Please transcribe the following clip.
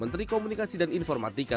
dari komunikasi dan informatika